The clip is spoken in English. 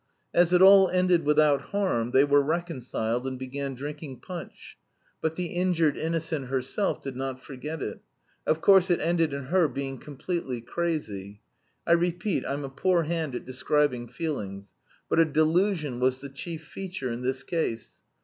As it all ended without harm, they were reconciled and began drinking punch. But the injured innocent herself did not forget it. Of course it ended in her becoming completely crazy. I repeat I'm a poor hand at describing feelings. But a delusion was the chief feature in this case.